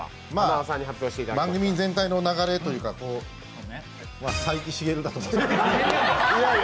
番組全体の流れというか、斉木しげるだと思います。